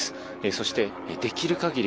そして、できる限り